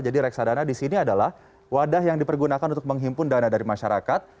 jadi reksadana di sini adalah wadah yang dipergunakan untuk menghimpun dana dari masyarakat